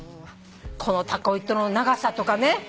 このたこ糸の長さとかね。